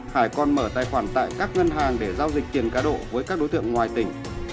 hải còn mở tài khoản tại các ngân hàng để giao dịch tiền cá độ với các đối tượng ngoài tỉnh